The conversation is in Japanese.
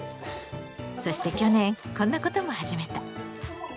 そして去年こんなことも始めた。